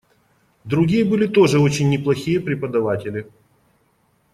Другие были тоже очень неплохие преподаватели..